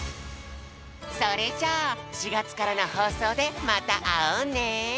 それじゃあ４がつからのほうそうでまたあおうね！